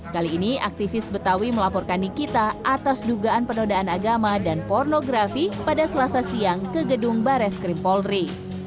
kali ini aktivis betawi melaporkan nikita atas dugaan penodaan agama dan pornografi pada selasa siang ke gedung bares krim polri